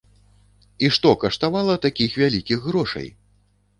І што каштавала такіх вялікіх грошай?